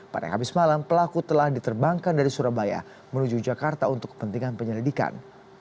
pada habis malam pelaku telah diterbangkan dari surabaya menuju jakarta untuk kepentingan penyelidikan